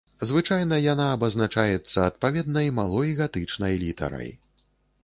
Звычайна яна абазначаецца адпаведнай малой гатычнай літарай.